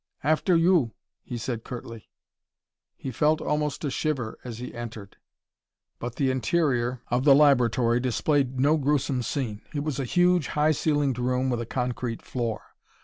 "After you," he said curtly. He felt almost a shiver as he entered. But the interior of the laboratory displayed no gruesome scene. It was a huge, high ceilinged room with a concrete floor.